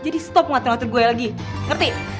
jadi berhenti ngatur ngatur gue lagi ngerti